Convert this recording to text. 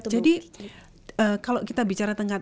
jadi kalau kita bicara